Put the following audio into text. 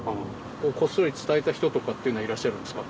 こっそり伝えた人とかっていらっしゃるんですか？